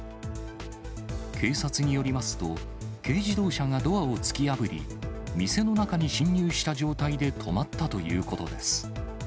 警察によりますと、軽自動車がドアを突き破り、店の中に進入した状態で止まったということです。